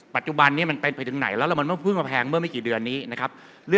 ปัจจุบันนี้มันไปถึงไหนแล้วมันไม่พึ่งมาแพงไม่กี่เดือนเนี้ยนะครับ